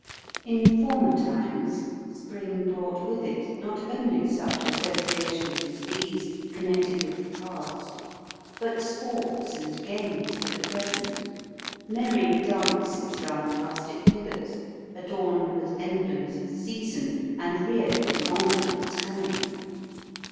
In former times, spring brought with it not only such associations as these, connected with the past, but sports and games for the present 126 Sketches by Bos. merry dances round rustic pillars, adorned with emblems of the season, and reared in honour of its coming.